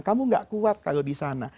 kamu tidak kuat kalau disana